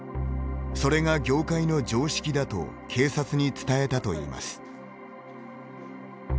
それが業界の常識だと警察に伝えたといいます。